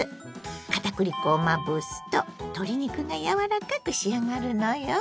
片栗粉をまぶすと鶏肉がやわらかく仕上がるのよ。